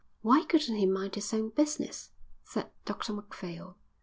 "Why couldn't he mind his own business?" said Dr Macphail.